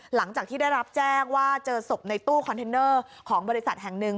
หลังจากที่ได้รับแจ้งว่าเจอศพในตู้คอนเทนเนอร์ของบริษัทแห่งหนึ่ง